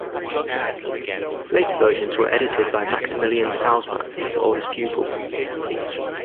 Later versions were edited by Maximilian Salzmann, his oldest pupil.